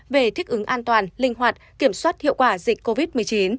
về thích ứng an toàn linh hoạt kiểm soát hiệu quả dịch covid một mươi chín